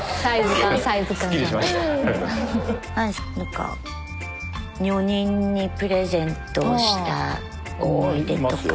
男子何か女人にプレゼントした思い出とか。